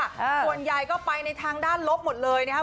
ส่วนใหญ่ก็ไปในทางด้านลบหมดเลยนะครับ